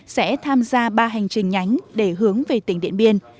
sẽ tham gia ba hành trình nhánh để hướng về tỉnh điện biên